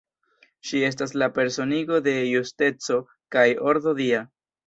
Ŝi estas la personigo de justeco kaj ordo dia.